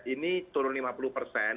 ini turun lima puluh persen